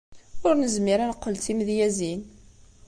Ur nezmir ad neqqel d timedyazin.